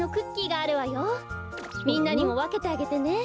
みんなにもわけてあげてね。